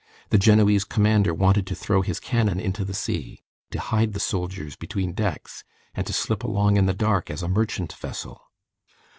The Genoese commander wanted to throw his cannon into the sea, to hide the soldiers between decks, and to slip along in the dark as a merchant vessel.